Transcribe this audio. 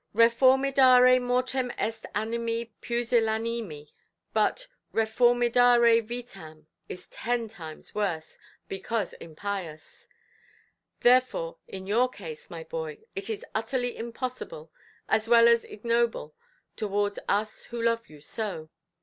"'Reformidare mortem est animi pusillanimi', but 'reformidare vitam' is ten times worse, because impious. Therefore in your case, my boy, it is utterly impossible, as well as ignoble towards us who love you so.